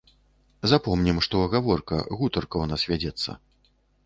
Запомнім, што гаворка, гутарка, у нас вядзецца.